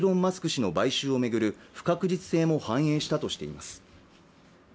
氏の買収を巡る不確実性も反映したとしています。